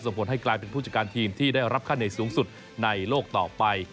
ผลให้กลายเป็นผู้จัดการทีมที่ได้รับค่าเหนื่อยสูงสุดในโลกต่อไป